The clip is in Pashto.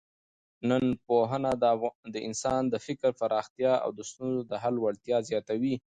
ننپوهنه د انسان د فکر پراختیا او د ستونزو د حل وړتیا زیاتوي.